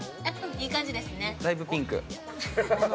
いい感じですね